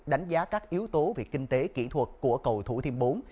đánh giá các yếu tố về kinh tế kỹ thuật của cầu thủ thiêm bốn